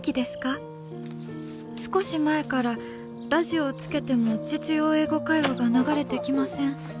少し前からラジオをつけても『実用英語会話』が流れてきません。